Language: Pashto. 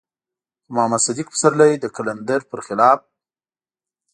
خو محمد صديق پسرلی د قلندر بر خلاف.